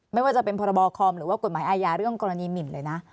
ไม่ว่าจะเป็นพรบคอมหรือว่ากฎหมายอาญาเรื่องกรณีหมินเลยนะ